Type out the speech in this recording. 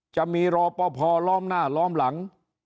จะมีรอปภล้อมหน้าล้อมหลัง